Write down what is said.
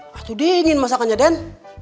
waktu dingin masakannya den